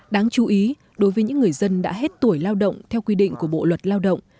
đáng chú ý đối với những người dân đã hết tuổi lao động theo quy định của bộ luật lao động